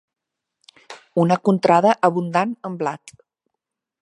Una contrada abundant en blat.